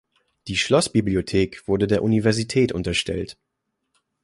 Die Schlossbibliothek wurde der Universität unterstellt.